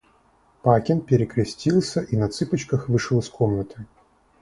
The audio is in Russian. Пакин перекрестился и на цыпочках вышел из комнаты.